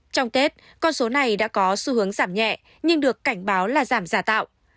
trong tết con số này đã có xu hướng giảm nhẹ nhưng được cảnh báo là giảm giả tạo